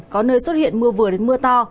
có nơi xuất hiện mưa vừa đến mưa to